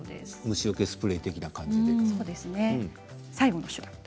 虫よけスプレー的な感じなんですね。